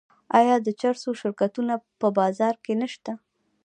آیا د چرسو شرکتونه په بازار کې نشته؟